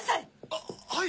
あっはい！